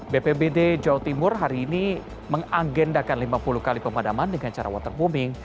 bpbd jawa timur hari ini mengagendakan lima puluh kali pemadaman dengan cara waterbombing